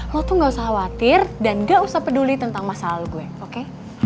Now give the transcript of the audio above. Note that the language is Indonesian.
lo tuh gak usah khawatir dan gak usah peduli tentang masa lalu gue oke